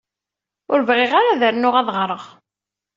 Ur bɣiɣ ara ad rnuɣ ad ɣṛeɣ.